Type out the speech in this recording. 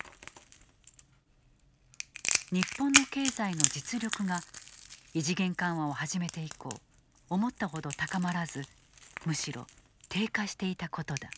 日本の経済の実力が異次元緩和を始めて以降思ったほど高まらずむしろ低下していたことだ。